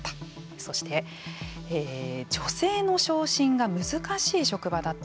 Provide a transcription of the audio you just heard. そして女性の昇進が難しい職場だった。